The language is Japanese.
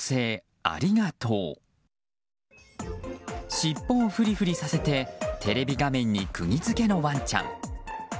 尻尾をふりふりさせてテレビ画面にくぎ付けのワンちゃん。